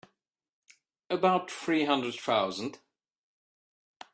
About three hundred thousand.